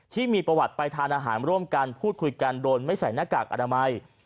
ที่มีประวัติไปทานอาหารร่วมกันพูดคุยกันโดยไม่ใส่หน้ากากอนามัย